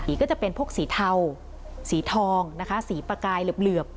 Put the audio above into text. ก็จะเป็นพวกสีเทาสีทองนะคะสีประกายเหลือบ